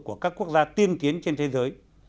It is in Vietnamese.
của các quốc gia tiên tiến trên thế giới